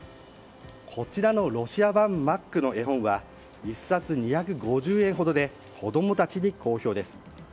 こちらのロシア版マックの絵本は１冊２５０円ほどで子供たちに好評です。